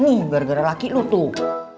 nih gara gara laki lu tuh